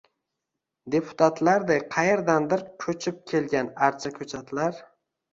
deputatlarday qaerdandir koʼchib kelgan archa koʼchatlar